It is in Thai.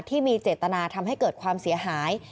ที่มีเจตนาทำให้เกิดความเสียหาย